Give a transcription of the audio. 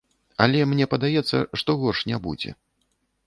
Але мне падаецца, што горш не будзе.